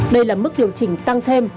đây là mức điều chỉnh tăng thêm